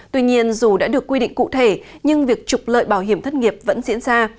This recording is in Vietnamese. tuy nhiên dù đã được quy định cụ thể nhưng việc trục lợi bảo hiểm thất nghiệp vẫn diễn ra